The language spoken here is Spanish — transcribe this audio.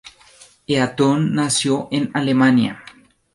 Eaton nació en Alemania.